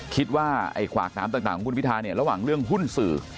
ไอ้ขวากน้ำต่างของคุณพิทาเนี่ยระหว่างเรื่องหุ้นสื่อ